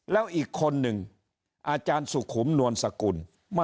แล้วอีกคนนึงอาจารย์สุขุมนวลสกุล